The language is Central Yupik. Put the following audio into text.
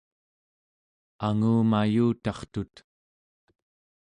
angumayutartut